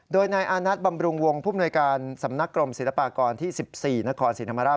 โดยนายอานัทบำรุงวงผู้มนวยการสำนักกรมศิลปากรที่๑๔นครศรีธรรมราช